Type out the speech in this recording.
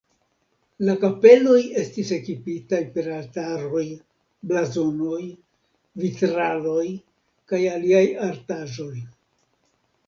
La kapeloj estis ekipitaj per altaroj, blazonoj, vitraloj kaj aliaj artaĵoj.